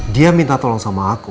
dia minta tolong sama aku